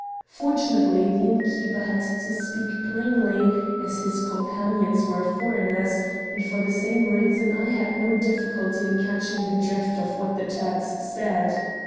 Fortunately the innkeeper had to speak plainly, as his companions were foreigners, and for the same reason I had no difficulty in catching the drift of what the Turks said.